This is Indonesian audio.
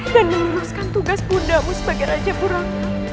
dan meluluskan tugas bundamu sebagai raja purwong